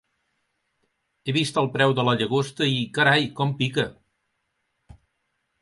He vist el preu de la llagosta i, carai, com pica!